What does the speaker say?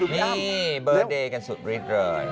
นี่เบิร์ตเดย์กันสุดฤทธิ์เลย